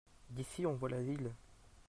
D'ici on voit la ville.